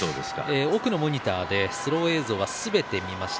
奥のモニターでスロー映像をすべて見ました。